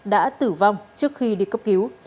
đã tử vong trước khi đi cấp cứu